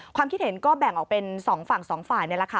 ความคิดเห็นก็แบ่งออกเป็น๒ฝั่ง๒ฝ่ายนี่แหละค่ะ